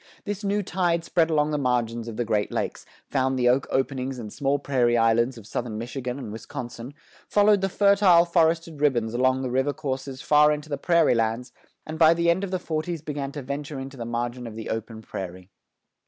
This new tide spread along the margins of the Great Lakes, found the oak openings and small prairie islands of Southern Michigan and Wisconsin; followed the fertile forested ribbons along the river courses far into the prairie lands; and by the end of the forties began to venture into the margin of the open prairie.